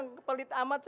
gak pelit amat sih